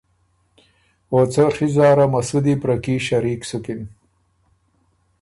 او څه ڒی زاره مسُودی برکي شریک سُکِن